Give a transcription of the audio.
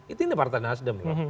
itu ini partai nasdem